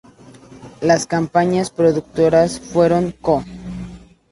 Las compañías productoras fueron Co.